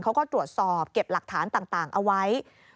เขาก็ตรวจสอบเก็บหลักฐานต่างเอาไว้